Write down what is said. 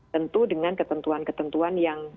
tentu dengan ketentuan ketentuan yang